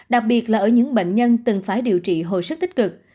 đặc biệt là ở những bệnh nhân từng phải điều trị hồi sức tích cực